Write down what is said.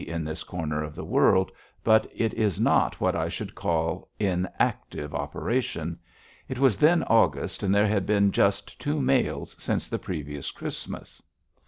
in this corner of the world, but it is not what I should call in active operation. It was then August, and there had been just two mails since the previous Christmas!